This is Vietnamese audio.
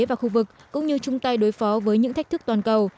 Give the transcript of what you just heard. và khu vực cũng như chung tay đối phó với những thách thức toàn cầu